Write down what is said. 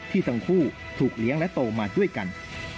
ทั้งคู่ถูกเลี้ยงและโตมาด้วยกัน